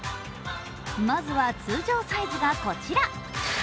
まずは通常サイズがこちら。